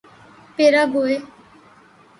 Paraguay